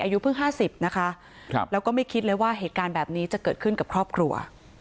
อายุเพิ่ง๕๐นะคะแล้วก็ไม่คิดเลยว่าเหตุการณ์แบบนี้จะเกิดขึ้นกับครอบครัว